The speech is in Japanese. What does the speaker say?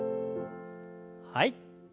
はい。